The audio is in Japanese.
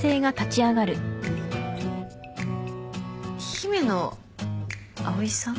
姫野葵さん？